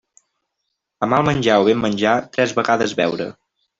A mal menjar o ben menjar, tres vegades beure.